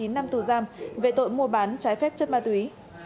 một mươi chín năm tù giam về tội mua bán trái phép chất ma túy